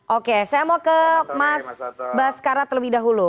oke saya mau ke mas baskara terlebih dahulu